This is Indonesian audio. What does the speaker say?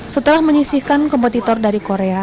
setelah menyisihkan kompetitor dari korea